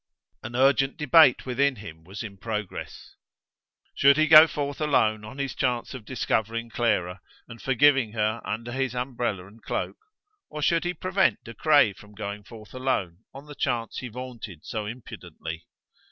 An urgent debate within him was in progress. Should he go forth alone on his chance of discovering Clara and forgiving her under his umbrella and cloak? or should he prevent De Craye from going forth alone on the chance he vaunted so impudently?